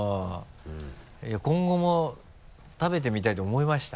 今後も食べてみたいと思いました？